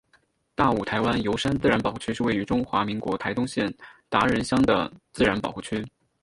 大武台湾油杉自然保护区是位于中华民国台东县达仁乡的自然保护区。